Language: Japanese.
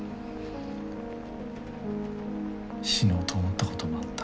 死のうと思ったこともあった。